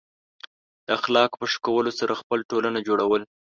د اخلاقو په ښه کولو سره خپل ټولنه جوړول.